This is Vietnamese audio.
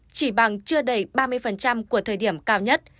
chỉ bằng chưa đầy ba mươi của thời điểm cao nhất